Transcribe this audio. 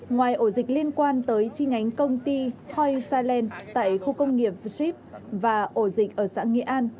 ngoài ổ dịch liên quan tới chi nhánh công ty hoi sa len tại khu công nghiệp phiship và ổ dịch ở xã nghệ an